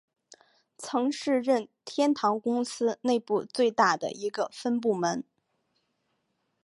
曾是任天堂公司内部最大的一个分部门。